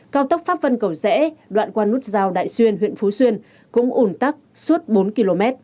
cao tốc pháp vân cầu rẽ đoạn qua nút giao đại xuyên huyện phú xuyên cũng ủn tắc suốt bốn km